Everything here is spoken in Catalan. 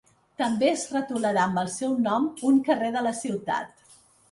També es retolarà amb el seu nom un carrer de la ciutat.